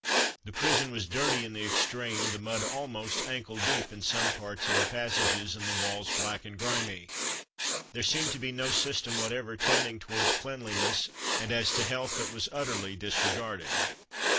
The prison was dirty in the extreme; the mud almost ankle deep in some parts in the passages, and the walls black and grimy. There seemed to be no system whatever tending towards cleanliness, and as to health that was utterly disregarded.